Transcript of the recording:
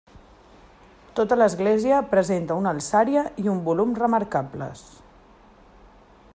Tota l'església presenta una alçària i un volum remarcables.